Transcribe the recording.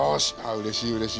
うれしいうれしい。